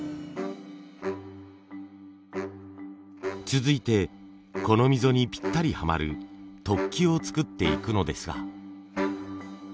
続いてこの溝にピッタリはまる突起を作っていくのですが。